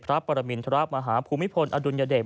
ปรมินทรมาฮภูมิพลอดุลยเดช